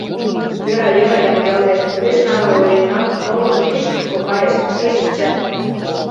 — Йӧра, йӧра, Янгелде, кӱлеш наре ойырен нал, молыжо кеч-кушко кайышт, шке шинчат.